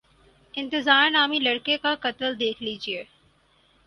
انتظار نامی لڑکے کا قتل دیکھ لیجیے۔